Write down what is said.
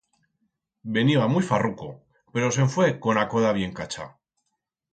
Veniba muit farruco, pero se'n fue con a coda bien cacha.